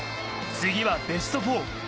次はベスト４。